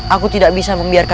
aku tidak bisa mencari mereka